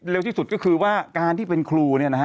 เร็วที่สุดก็คือว่าการที่เป็นครูนะครับ